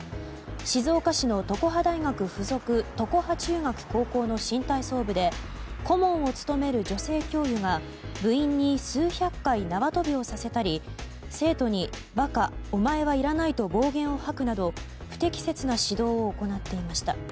静岡市の常葉大学付属常葉中学・高校の新体操部で顧問を務める女性教諭が部員に数百回縄跳びをさせたり、生徒に馬鹿、お前はいらないと暴言を吐くなど不適切な指導を行っていました。